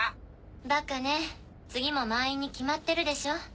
バカね次も満員に決まってるでしょ。